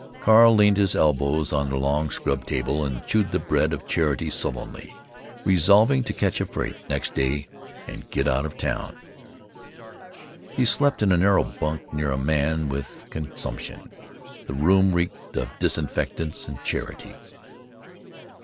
Carl leaned his elbows on the long scrubbed table and chewed the bread of charity sullenly, resolving to catch a freight next day and get out of town. He slept in a narrow bunk near a man with consumption. The room reeked of disinfectants and charity.